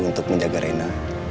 untuk menjaga rena